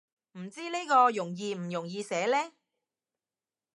唔知呢個容易唔容易寫呢